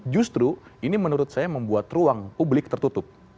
justru ini menurut saya membuat ruang publik tertutup